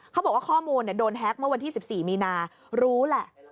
เขาบอกว่าข้อมูลโดนแฮ็กเมื่อวันที่๑๔มีนารู้แหละ